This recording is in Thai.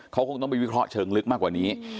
เขาคงต้องไปวิเคราะห์เชิงลึกมากกว่านี้